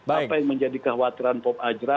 apa yang menjadi kekhawatiran pop ajra